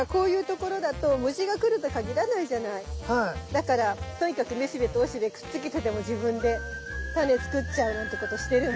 だからとにかくめしべとおしべくっつけてでも自分でタネ作っちゃうなんてことしてるんだね。